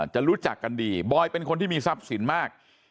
รู้จักกันดีบอยเป็นคนที่มีทรัพย์สินมาก